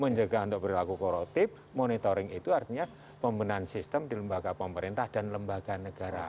menjaga untuk berlaku korotip monitoring itu artinya pembenahan sistem di lembaga pemerintah dan lembaga negara